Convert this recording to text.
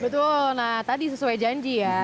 betul nah tadi sesuai janji ya